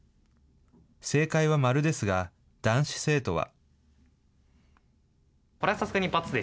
正解はマルですが、男子生徒は。